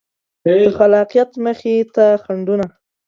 د خلاقیت مخې ته خنډونه